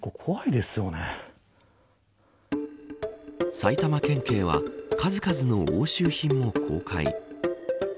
埼玉県警は数々の押収品も公開。